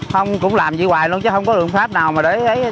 không cũng làm gì hoài luôn chứ không có lượng pháp nào mà đế